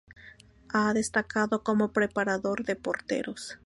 Ha destacado como preparador de porteros.